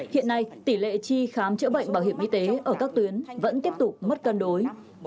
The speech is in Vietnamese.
hiện nay tỷ lệ tri khám chữa bệnh bảo hiểm y tế ở các tuyến vẫn tiếp tục mất cân đối